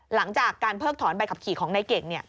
หลังจากการเพิกถอนใบขับขี่ของนายเก่ง